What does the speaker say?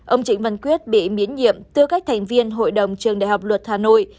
ông trịnh văn quyết bị miễn nhiệm tư cách thành viên hội đồng trường đại học luật hà nội